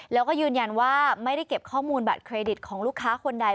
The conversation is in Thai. แล้วก็ยืนยันว่าไม่ได้เก็บข้อมูลบัตรเครดิตของลูกค้าคนใด